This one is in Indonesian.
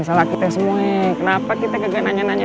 salah kita semua kenapa kita gak nanya nanya